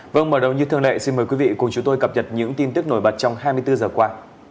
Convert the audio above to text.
vâng mở đầu như thường lệ xin mời quý vị cùng chúng tôi cập nhật những tin tức nổi bật trong hai mươi bốn giờ qua